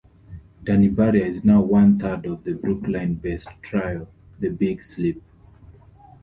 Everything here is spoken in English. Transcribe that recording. Danny Barria is now one-third of the Brooklyn-based trio The Big Sleep.